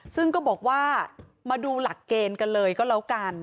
ซึ่งก็บอกว่ามาดูหลักเกณฑ์กันเลยก็แล้วกัน